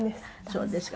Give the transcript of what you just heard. そうですか。